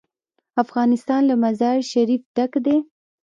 افغانستان له مزارشریف ډک دی.